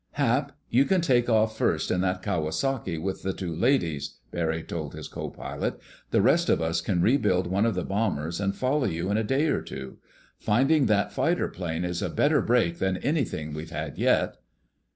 "Hap, you can take off first in that Kawasaki with the two ladies," Barry told his co pilot. "The rest of us can rebuild one of the bombers and follow you in a day or two. Finding that fighter plane is a better break than anything we've had yet."